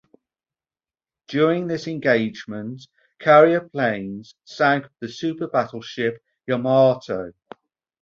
During this engagement, carrier planes sank the super-battleship "Yamato".